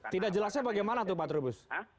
tidak jelasnya bagaimana pak terubus